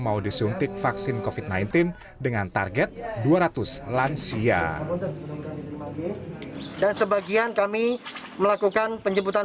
mau disuntik vaksin covid sembilan belas dengan target dua ratus lansia dan sebagian kami melakukan penjemputan